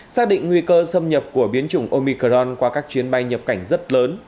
xác định nguy cơ xâm nhập của biến chủng omicron qua các chuyến bay nhập cảnh rất lớn